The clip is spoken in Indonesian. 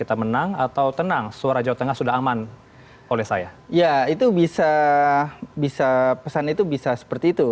itu bisa pesan itu bisa seperti itu